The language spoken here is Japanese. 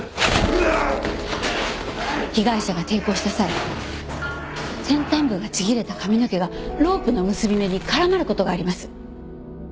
被害者が抵抗した際先端部がちぎれた髪の毛がロープの結び目にからまる事があります。